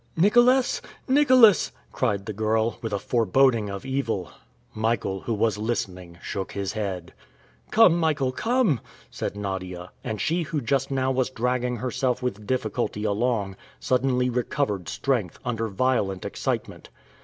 "Nicholas! Nicholas!" cried the girl, with a foreboding of evil. Michael, who was listening, shook his head. "Come, Michael, come," said Nadia. And she who just now was dragging herself with difficulty along, suddenly recovered strength, under violent excitement.